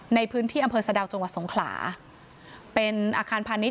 ในพื้นที่อำเภอสะดาวจังหวัดสงขลาเป็นอาคารพาณิช